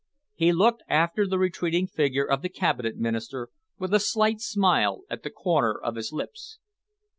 He looked after the retreating figure of the Cabinet Minister with a slight smile at the corner of his lips.